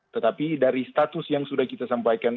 tetapi dari status yang sudah kita sampaikan